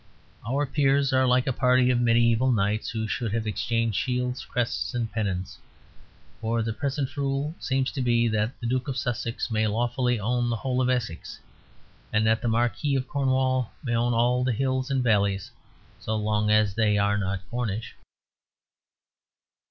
Our peers are like a party of mediæval knights who should have exchanged shields, crests, and pennons. For the present rule seems to be that the Duke of Sussex may lawfully own the whole of Essex; and that the Marquis of Cornwall may own all the hills and valleys so long as they are not Cornish.